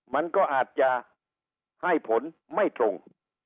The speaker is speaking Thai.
มันก็อาจจะให้ผลไม่ตรง